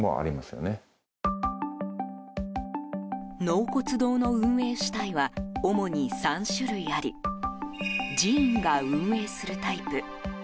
納骨堂の運営主体は主に３種類あり寺院が運営するタイプ。